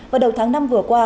vào đầu tháng năm vừa qua